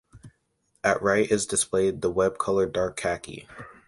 At right is displayed the web color dark khaki.